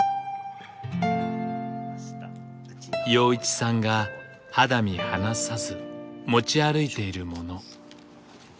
陽一さんが肌身離さず持ち歩いているもの。